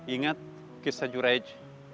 ingat kisah juraidz